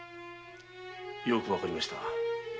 よくわかりました。